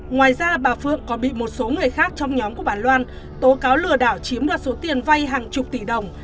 ngoài ra bà phượng còn bị một số người khác trong nhóm của bà loan tố cáo lừa đảo chiếm đoạt số tiền vay hàng chục tỷ đồng